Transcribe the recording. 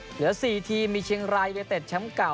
เหลือ๔ทีมีเชียงรายระเตศแชมป์เก่า